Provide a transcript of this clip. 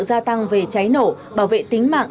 gia tăng về cháy nổ bảo vệ tính mạng